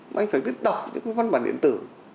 mà anh phải biết đọc những cái văn bản điện tử